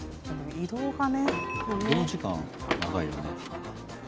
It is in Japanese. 移動時間長いよね。